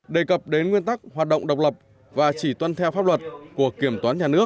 đề cập đến nguyên tắc hoạt động độc lập và chỉ tuân theo pháp luật của kiểm toán nhà nước